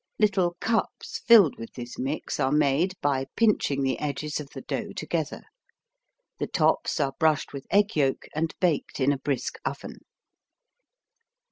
Little cups filled with this mix are made by pinching the edges of the dough together. The tops are brushed with egg yolk and baked in a brisk oven.